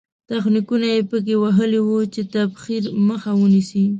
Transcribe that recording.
تخنیکونه یې په کې وهلي وو چې تبخیر مخه ونیسي.